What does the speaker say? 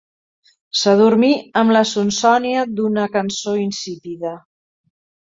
S'adormí amb la sonsònia d'una cançó insípida.